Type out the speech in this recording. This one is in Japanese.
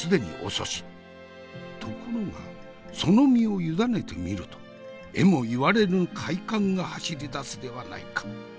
ところがその身を委ねてみるとえも言われぬ快感が走りだすではないか。